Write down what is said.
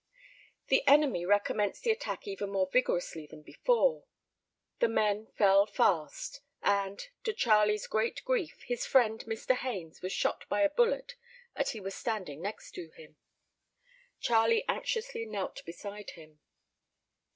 The enemy recommenced the attack even more vigorously than before. The men fell fast, and, to Charlie's great grief, his friend Mr. Haines was shot by a bullet as he was standing next to him. Charlie anxiously knelt beside him.